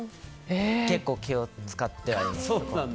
結構、気を使ってはいます。